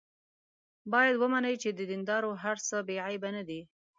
باید ومني چې د دیندارو هر څه بې عیبه نه دي.